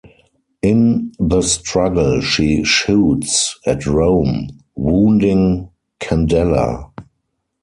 In the struggle she shoots at Rome, wounding Candella.